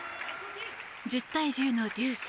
１０対１０のデュース。